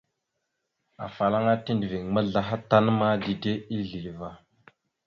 Afalaŋa tiɗəviŋ maslaha tan ma, dide isleva.